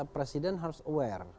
presiden harus aware